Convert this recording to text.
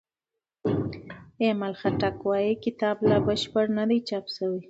ایمل خټک وايي کتاب لا بشپړ نه دی چاپ شوی.